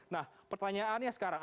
nah pertanyaannya sekarang